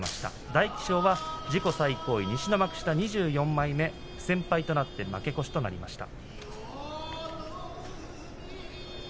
大喜翔は自己最高位西の２４枚目不戦敗となって負け越しとなりました。